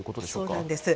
そうなんです。